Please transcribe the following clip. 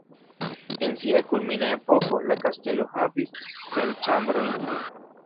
En sia kulmina epoko la kastelo havis cent ĉambrojn.